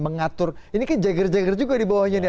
mengatur ini kan jeger jeger juga di bawahnya nih